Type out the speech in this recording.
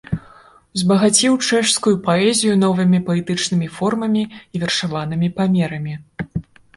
Узбагаціў чэшскую паэзію новымі паэтычнымі формамі і вершаванымі памерамі.